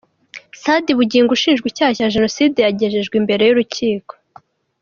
Sadi Bugingo ushinjwa icyaha cya jenoside yagejejwe imbere y’Urukiko